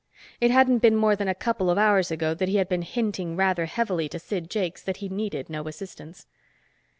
It hadn't been more than a couple of hours ago that he had been hinting rather heavily to Sid Jakes that he needed no assistance.